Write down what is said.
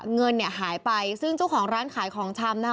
เงินเนี่ยหายไปซึ่งเจ้าของร้านขายของชำนะคะ